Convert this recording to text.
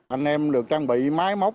anh em được trang bị máy mốc